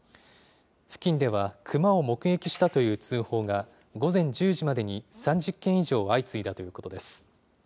付近では、熊を目撃したという通報が、午前１０時までに３０件以上相次いだということです。